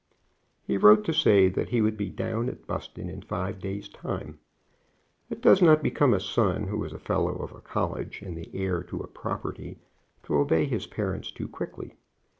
He wrote to say that he would be down at Buston in five days' time. It does not become a son who is a fellow of a college and the heir to a property to obey his parents too quickly.